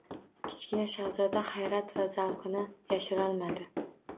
Kichkina shahzoda hayrat va zavqini yashirolmadi: